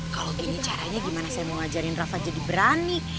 kalau ini caranya gimana saya mau ngajarin rafa jadi berani